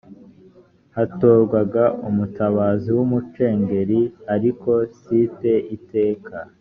hatorwaga umutabazi w’umucengeri ariko si iteka